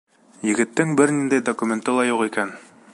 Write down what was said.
Егеттең бер ниндәй документы ла юҡ икән.